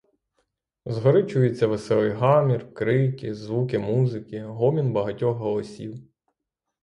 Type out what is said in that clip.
Згори чується веселий гамір, крики, звуки музики, гомін багатьох голосів.